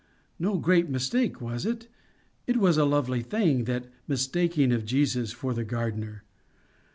no great mistake, was it? it is a lovely thing, that mistaking of Jesus for the gardener!